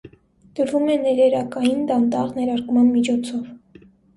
Տրվում է ներերակային դանդաղ ներարկման միջոցով։